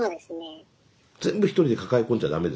全部１人で抱え込んじゃ駄目ですよ。